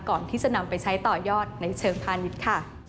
ก่อนที่จะนำไปใช้ต่อยอดในเชิงพาณิชย์ค่ะ